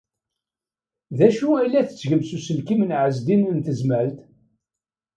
D acu ay la tettgem s uselkim n Ɛezdin n Tezmalt?